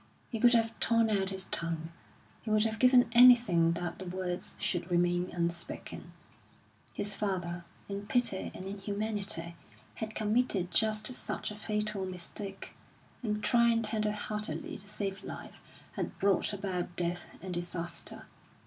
He could have torn out his tongue, he would have given anything that the words should remain unspoken. His father, in pity and in humanity, had committed just such a fatal mistake, and trying tender heartedly to save life had brought about death and disaster.